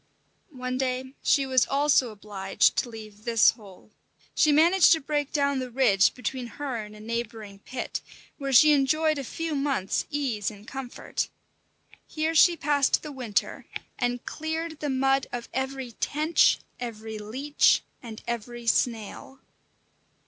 One day she was also obliged to leave this hole. She managed to break down the ridge between her and a neighbouring pit, where she enjoyed a few months' ease and comfort. Here she passed the winter, and cleared the mud of every tench, every leech, and every snail.